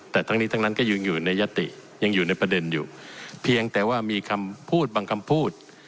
แต่ทั้งนี้ทั้งนั้นก็ยังอยู่ในยติยังอยู่ในประเด็นอยู่เพียงแต่ว่ามีคำพูดบางคำพูด